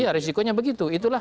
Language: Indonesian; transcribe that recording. iya risikonya begitu